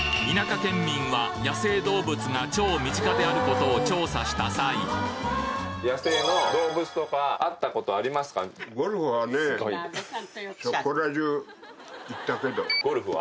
県民は野生動物が超身近であることを調査した際ゴルフは？